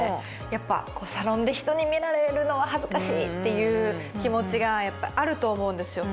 やっぱサロンで人に見られるのは恥ずかしいっていう気持ちがやっぱりあると思うんですよ。